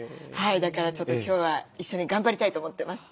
だからちょっと今日は一緒に頑張りたいと思ってます。